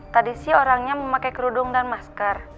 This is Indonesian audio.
tadi sih orangnya memakai kerudung dan masker